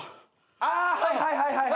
あはいはいはいはい。